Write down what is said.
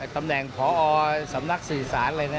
ตำแหน่งพอสำนักศิษย์ศาสตร์